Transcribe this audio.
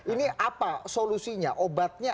ini apa solusinya obatnya